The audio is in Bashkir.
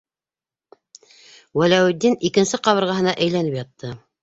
- Вәләүетдин икенсе ҡабырғаһына әйләнеп ятты.